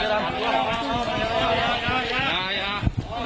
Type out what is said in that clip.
ลูกเค้าอยู่น้ำกลางลูกเค้าอยู่น้ำกลาง